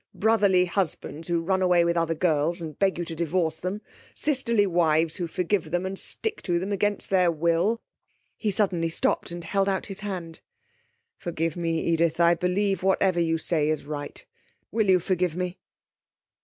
Brotherly husbands who run away with other girls, and beg you to divorce them; sisterly wives who forgive them and stick to them against their will....' He suddenly stopped, and held out his hand. 'Forgive me, Edith. I believe whatever you say is right. Will you forgive me?'